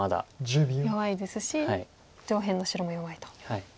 弱いですし上辺の白も弱いと。